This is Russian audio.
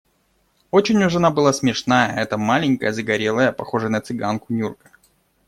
Очень уж она была смешная, эта маленькая, загорелая, похожая на цыганку Нюрка.